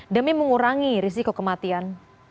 demi mengurangi risiko kematian